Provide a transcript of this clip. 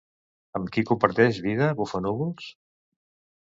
Amb qui comparteix vida Bufanúvols?